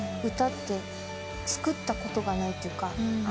歌って作ったことがないというか。